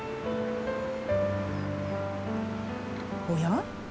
おや？